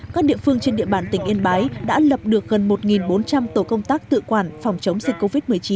các địa phương trên địa bàn tỉnh yên bái đã lập được gần một bốn trăm linh tổ công tác tự quản phòng chống dịch covid một mươi chín